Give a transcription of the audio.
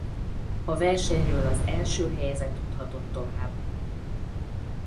A versenyről az első helyezett juthatott tovább.